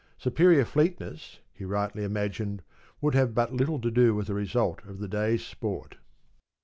Superior fleetness, he rightly imagined, would have but little to do with the result of the day's sport.